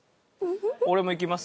俺もいきます？